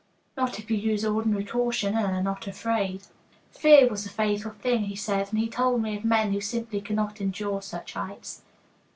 "Not if you use ordinary caution and are not afraid." Fear was the fatal thing, he said, and he told me of men who simply cannot endure such heights.